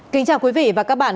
kính chào quý vị và các bạn